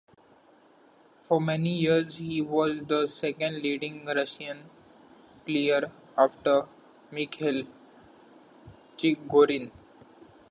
For many years he was the second leading Russian player after Mikhail Chigorin.